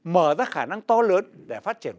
mở ra khả năng to lớn để phát triển